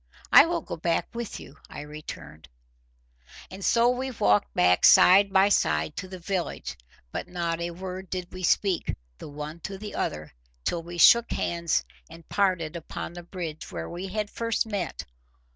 "I will go back with you," I returned. And so we walked back side by side to the village, but not a word did we speak the one to the other, till we shook hands and parted upon the bridge, where we had first met.